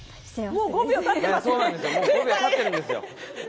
もう５秒たってるんですよ！